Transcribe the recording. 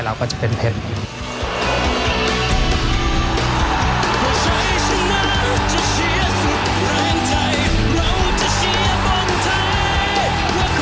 เราก็จะเป็นเพชร